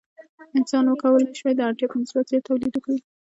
انسان وکولی شوای د اړتیا په نسبت زیات تولید وکړي.